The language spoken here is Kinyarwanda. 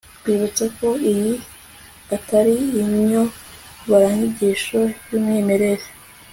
twibutse ko iyi atari inyoboranyigisho y umwimerere